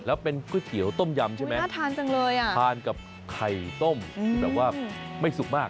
แล้วเป็นกล้วยเตี๋ยวต้มยำใช่ไหมถ่านกับไข่ต้มแบบว่าไม่สุกมาก